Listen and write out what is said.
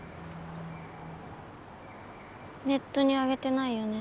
ネットにあげてないよね。